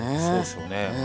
そうですよね。